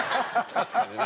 確かにね。